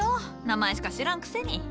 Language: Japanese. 名前しか知らんくせに。